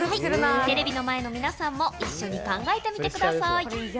テレビの前の皆さんも一緒に考えてみてください。